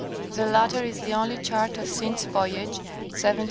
The latter is the only chart of Synd's voyage (1764 1768).